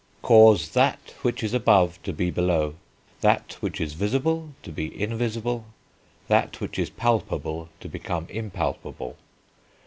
"Cause that which is above to be below; that which is visible to be invisible; that which is palpable to become impalpable.